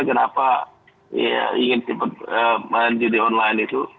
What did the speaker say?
kenapa ingin cepat main judi online itu